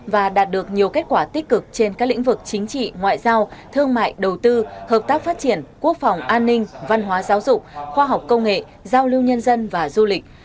và đạt được nhiều kết quả tích cực trên các lĩnh vực chính trị ngoại giao thương mại đầu tư hợp tác phát triển quốc phòng an ninh văn hóa giáo dục khoa học công nghệ giao lưu nhân dân và du lịch